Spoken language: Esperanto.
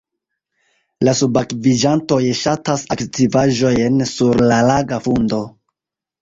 La subakviĝantoj ŝatas aktivaĵojn sur la laga fundo.